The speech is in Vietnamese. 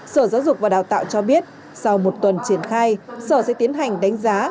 sở giáo dục và đào tạo cho biết sau một tuần triển khai sở sẽ tiến hành đánh giá